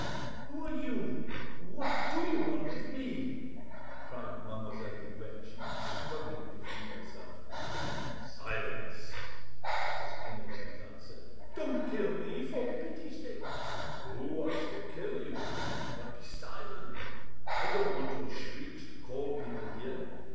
"Who are you? What do you want with me?" cried Mademoiselle de Guerchi, struggling to free herself. "Silence!" was Quennebert's answer. "Don't kill me, for pity's sake!" "Who wants to kill you? But be silent; I don't want your shrieks to call people here.